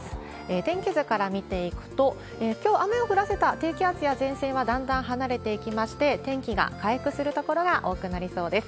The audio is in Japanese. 天気図から見ていくと、きょう、雨を降らせた低気圧や前線はだんだん離れていきまして、天気が回復する所が多くなりそうです。